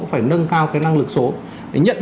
phải nâng cao cái năng lực số để nhận